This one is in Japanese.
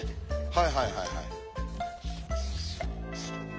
はいはいはいはい。